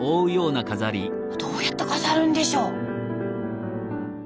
どうやって飾るんでしょ？